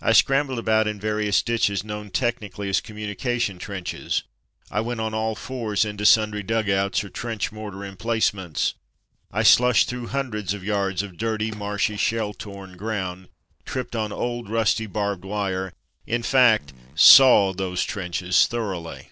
I scrambled about in various ditches known technically as communi cation trenches. I went on *'all fours" into sundry dugouts or trench mortar emplace ments. I slushed through hundreds of yards of dirty, marshy, shell torn ground, tripped on old rusty barbed wire, in fact "saw" those trenches thoroughly.